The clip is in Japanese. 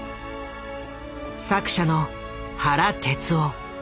作者の原哲夫。